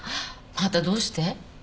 またどうして？